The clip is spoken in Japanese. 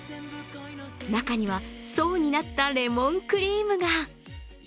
中には層になったレモンクリームが。